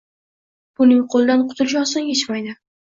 Buning qo`lidan qutulish oson kechmaydi